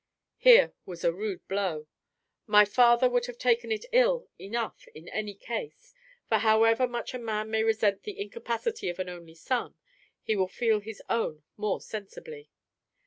Here was a rude blow: my father would have taken it ill enough in any case; for however much a man may resent the incapacity of an only son, he will feel his own more sensibly.